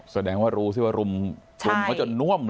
แสดงว่ารู้สิว่ารุ่มกลุ่มเขาจะน่วมเลย